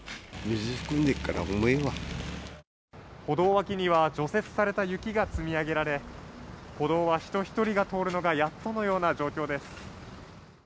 歩道脇には除雪された雪が積み上げられ、歩道は人１人が通るのがやっとのような状況です。